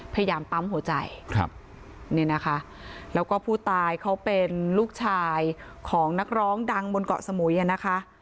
พยายามปั๊มหัวใจครับเนี่ยนะคะแล้วก็ผู้ตายเขาเป็นลูกชายของนักร้องดังบนเกาะสมุยอ่ะนะคะ